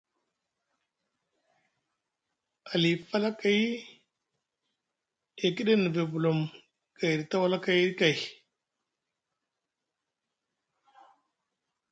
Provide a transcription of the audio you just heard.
Ali falakay e kiɗi e nivi bulum gayɗi tawalakayɗi kay.